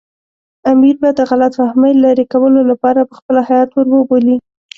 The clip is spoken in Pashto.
امیر به د غلط فهمۍ لرې کولو لپاره پخپله هیات ور وبولي.